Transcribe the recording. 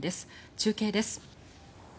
中継です。